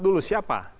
empat dulu siapa